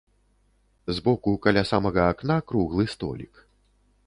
З боку каля самага акна круглы столік.